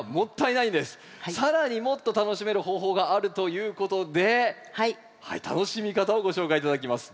更にもっと楽しめる方法があるということで楽しみ方をご紹介頂きます。